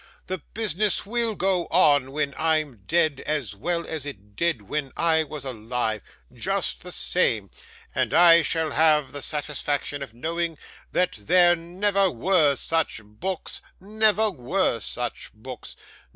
The business will go on, when I'm dead, as well as it did when I was alive just the same and I shall have the satisfaction of knowing that there never were such books never were such books!